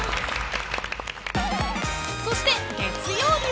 ［そして月曜日は］